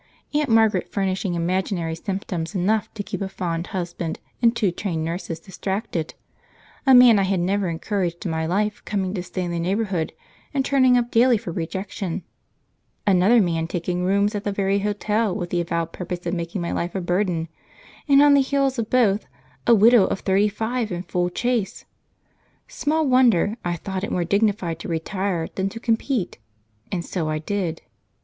Aunt Margaret furnishing imaginary symptoms enough to keep a fond husband and two trained nurses distracted; a man I had never encouraged in my life coming to stay in the neighbourhood and turning up daily for rejection; another man taking rooms at the very hotel with the avowed purpose of making my life a burden; and on the heels of both, a widow of thirty five in full chase! Small wonder I thought it more dignified to retire than to compete, and so I did.